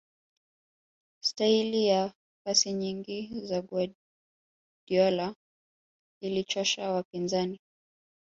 staili ya pasi nyingi za guardiola ilichosha wapinzani